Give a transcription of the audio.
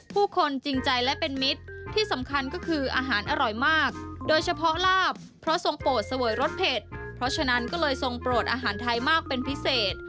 ผู้คนจริงใจและเป็นมิตรที่สำคัญก็คืออาหารอร่อยมากโดยเฉพาะลาบเพราะทรงโปรดเสวยรสเผ็ดเพราะฉะนั้นก็เลยทรงโปรดอาหารไทยมากเป็นพิเศษ